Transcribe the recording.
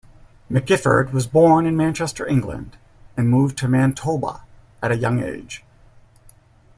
McGifford was born in Manchester, England, and moved to Manitoba at a young age.